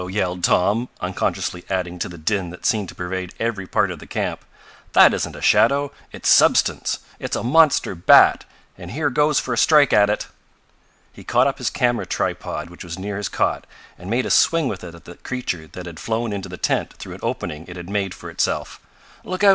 yelled Tom, unconsciously adding to the din that seemed to pervade every part of the camp. "That isn't a shadow. It's substance. It's a monster bat, and here goes for a strike at it!" He caught up his camera tripod which was near his cot, and made a swing with it at the creature that had flown into the tent through an opening it had made for itself. "Look out!"